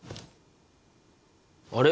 あれ？